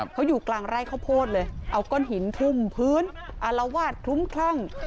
เขาอยู่กลางไร่ข้าวโพดเลยเอาก้อนหินทุ่มพื้นอารวาสคลุ้มคลั่ง